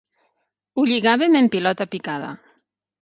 Ho lligàvem en pilota picada.